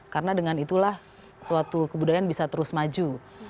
karena dengan itulah suatu kebudayaan bisa terus maju